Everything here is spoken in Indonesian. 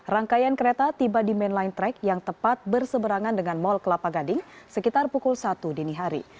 rangkaian kereta tiba di main line track yang tepat berseberangan dengan mall kelapa gading sekitar pukul satu dini hari